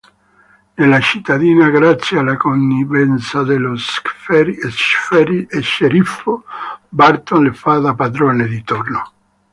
Nella cittadina, grazie alla connivenza dello sceriffo, Barton, le fa da padrone di turno.